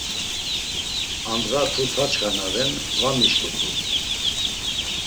Andğa tutaçxa na ren va mişǩut̆u.